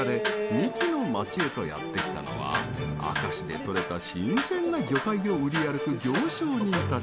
三木の町へとやってきたのは明石でとれた新鮮な魚介を売り歩く行商人たち。